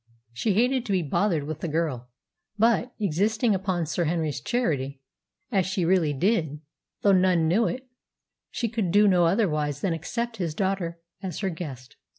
She hated to be bothered with the girl; but, existing upon Sir Henry's charity, as she really did, though none knew it, she could do no otherwise than accept his daughter as her guest.